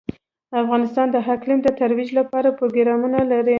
افغانستان د اقلیم د ترویج لپاره پروګرامونه لري.